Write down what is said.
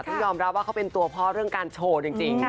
ต้องยอมรับว่าเขาเป็นตัวพ่อเรื่องการโชว์จริง